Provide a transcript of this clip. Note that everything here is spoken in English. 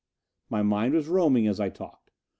My mind was roaming as I talked.